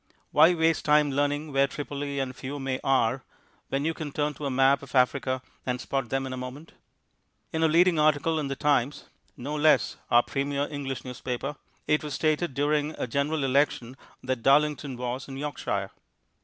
Why waste time learning where Tripoli and Fiume are, when you can turn to a map of Africa and spot them in a moment? In a leading article in The Times (no less our premier English newspaper) it was stated during a general election that Darlington was in Yorkshire.